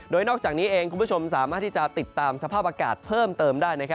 โดยนอกจากนี้เองคุณผู้ชมสามารถที่จะติดตามสภาพอากาศเพิ่มเติมได้